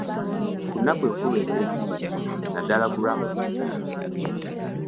Ku nnaku enkulu ez'eddiini, naddala ku lw'amazuukira.